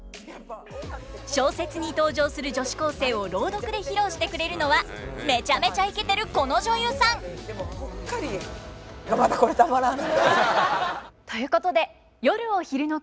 小説に登場する女子高生を朗読で披露してくれるのはめちゃめちゃイケてるこの女優さん。ということで「夜を昼の國」